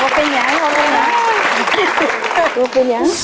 เอาไปอย่างไรเอาไปอย่างไร